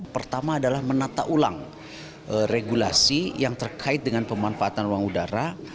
pertama adalah menata ulang regulasi yang terkait dengan pemanfaatan ruang udara